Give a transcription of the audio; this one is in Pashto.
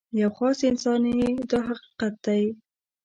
یو خاص انسان یې دا حقیقت دی.